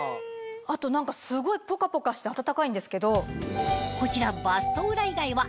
あと何かすごいポカポカして暖かいんですけど。